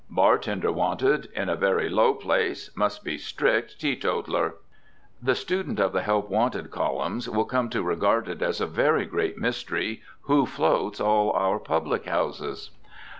"Bartender wanted. In a very low place. Must be strict teetotaler!" The student of the help wanted columns will come to regard it as a very great mystery who floats all our "public houses."